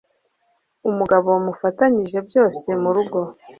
umugabo mufatanyije byose murugo